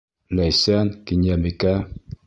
Ләйсән, Кинйәбикә.